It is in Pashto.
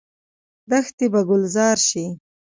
دښتې به ګلزار شي.